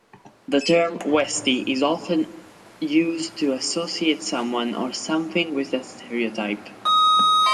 The term "westie" is often used to associate someone or something with a stereotype.